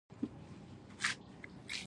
د افغانستان اداري سیسټم په دوه ډوله دی.